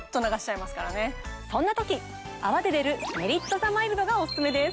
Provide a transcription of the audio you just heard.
そんな時泡で出るメリットザマイルドがおすすめです。